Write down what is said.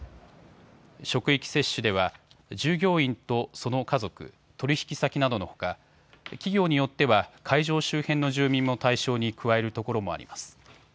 職域接種では従業員とその家族、取引先などのほか企業によっては会場周辺の住民も対象に加えるところもあります。